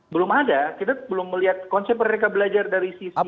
belum ada kita belum melihat konsep merdeka belajar dari sisi aplikasi di lapangan